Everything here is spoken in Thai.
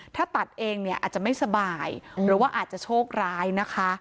ถ้าตัดเองเนี่ยอาจจะไม่สบายหรือว่าอาจจะโชคร้ายนะคะ